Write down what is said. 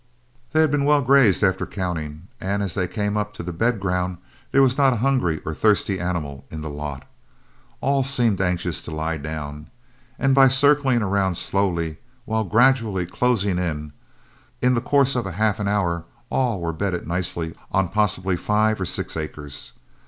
They had been well grazed after counting, and as they came up to the bed ground there was not a hungry or thirsty animal in the lot. All seemed anxious to lie down, and by circling around slowly, while gradually closing in, in the course of half an hour all were bedded nicely on possibly five or six acres.